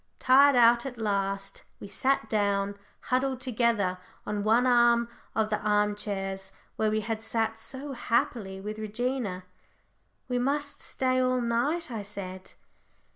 Tired out at last, we sat down, huddled together, on one of the arm chairs, where we had sat so happily with Regina. "We must stay all night," I said.